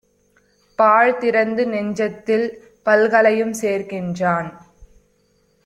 பாழ்திறந்து நெஞ்சத்தில் பல்கலையும் சேர்க்கின்றான்.